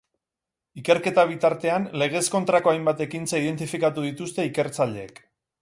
Ikerketa bitartean, legez kontrako hainbat ekintza identifikatu dituzte ikertzaileek.